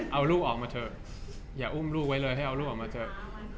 เอาลูกออกมาเถอะอย่าอุ้มลูกไว้เลยให้เอาลูกออกมาเถอะ